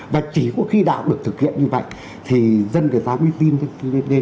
và chỉ có khi đạo được thực hiện như vậy thì dân có giá quy tinh